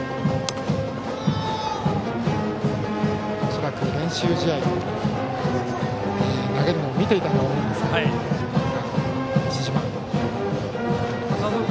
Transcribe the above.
恐らく、練習試合で投げるのを見ていたと思うんですがバッターの石島。